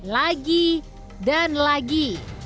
lagi dan lagi